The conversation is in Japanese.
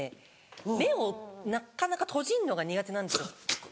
目をなかなか閉じるのが苦手なんですよ。